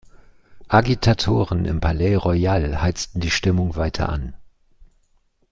Agitatoren im Palais Royal heizten die Stimmung weiter an.